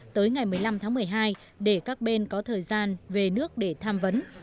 tới ngày một mươi năm tháng một mươi hai để các bên có thời gian về nước để tham vấn